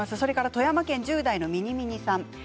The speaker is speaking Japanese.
富山県１０代の方です。